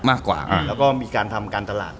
แล้วก็มีการทำการตลาด